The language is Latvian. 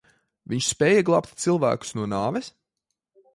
Viņš spēja glābt cilvēkus no nāves?